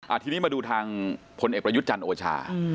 ทีนี้มาดูทางพลเอกประยุทธ์จันทร์โอชา